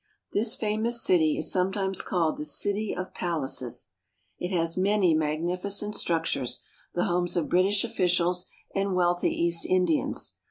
This famous city is sometimes called the city of palaces. It has many magnificent structures, the homes of British officials and wealthy East Indians.